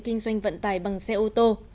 kinh doanh vận tải bằng xe ô tô